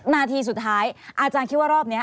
นาทีสุดท้ายอาจารย์คิดว่ารอบนี้